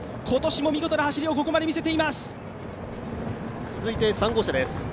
今年も見事な走りをここまで見せています。